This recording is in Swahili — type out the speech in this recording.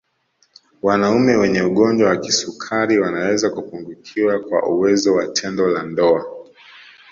Wanaume wenye ugonjwa wa kisukari wanaweza kupungukiwa kwa uwezo wa tendo la ndoa